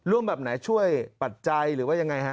แบบไหนช่วยปัจจัยหรือว่ายังไงฮะ